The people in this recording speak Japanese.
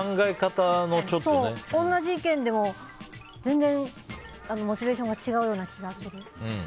同じ意見でも全然、モチベーションが違う気がする。